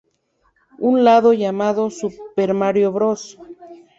Un lado, llamado "Super Mario Bros.